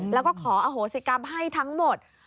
แล้วก็ขออโหสิกรรมให้ทั้งหมด